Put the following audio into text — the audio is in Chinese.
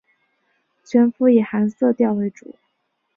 全幅以寒色调为主